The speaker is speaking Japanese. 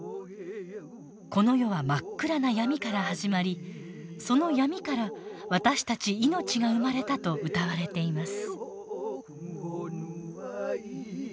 この世は真っ暗な闇から始まりその闇から私たち命が生まれたと歌われています。